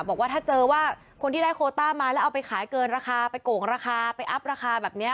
บอกว่าถ้าเจอว่าคนที่ได้โคต้ามาแล้วเอาไปขายเกินราคาไปโกงราคาไปอัพราคาแบบนี้